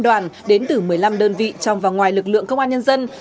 đoàn đến từ một mươi năm đơn vị trong và ngoài lực lượng công an nhân dân